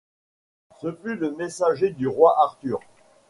Ce fut le messager du roi Arthur.